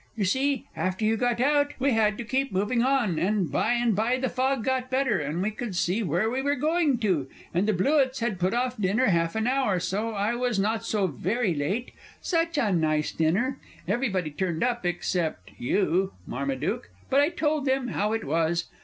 You see, after you got out, we had to keep moving on, and by and by the fog got better, and we could see where we were going to, and the Blewitts had put off dinner half an hour, so I was not so very late. Such a nice dinner! Everybody turned up except you, Marmaduke but I told them how it was.